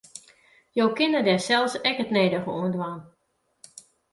Jo kinne dêr sels ek it nedige oan dwaan.